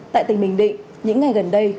tại tỉnh bình định những ngày gần đây